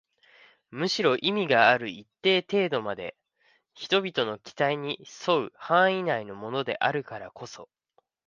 むしろ意味がある一定程度まで人々の期待に添う範囲内のものであるからこそ